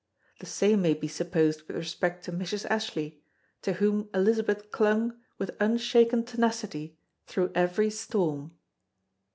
The same may be supposed with respect to Mrs. Ashley, to whom Elizabeth clung with unshaken tenacity through every storm."